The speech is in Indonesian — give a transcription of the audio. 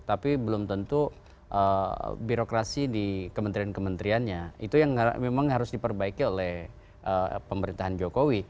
tapi belum tentu birokrasi di kementerian kementeriannya itu yang memang harus diperbaiki oleh pemerintahan jokowi